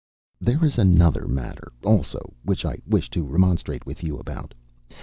There is another matter, also, which I wish to remonstrate with you about.